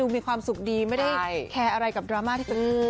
มีความสุขดีไม่ได้แคร์อะไรกับดราม่าที่เกิดขึ้น